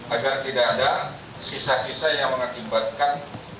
agar tidak ada sisa sisa yang mengakibatkan